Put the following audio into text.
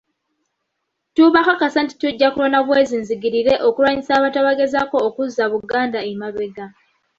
Tubakakasa nti tujja kulwana bwezizingirire okulwanyisa abantu abagezaako okuzza Buganda emabega.